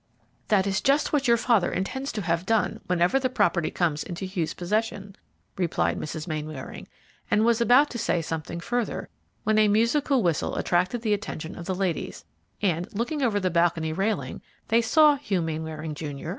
"That is just what your father intends to have done whenever the property comes into Hugh's possession," replied Mrs. Mainwaring, and was about to say something further, when a musical whistle attracted the attention of the ladies, and, looking over the balcony railing, they saw Hugh Mainwaring, Jr.